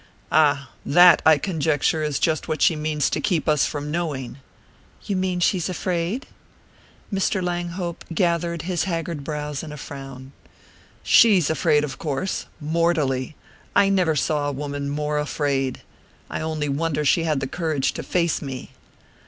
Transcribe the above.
"Ah that, I conjecture, is just what she means to keep us from knowing!" "You mean she's afraid ?" Mr. Langhope gathered his haggard brows in a frown. "She's afraid, of course mortally I never saw a woman more afraid. I only wonder she had the courage to face me."